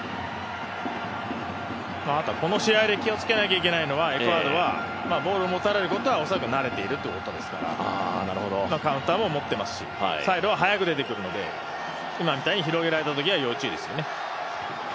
あとこの試合で気をつけなくちゃいけないのはエクアドルはボールは持たれることは恐らく慣れているということですからカウンターも持ってますし、サイドは速く出てくるので今みたいに広げられたときは要注意ですね。